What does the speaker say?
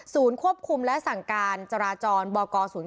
ควบคุมและสั่งการจราจรบก๐๔